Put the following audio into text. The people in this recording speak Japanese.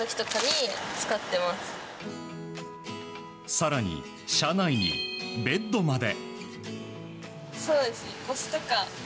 更に、車内にベッドまで。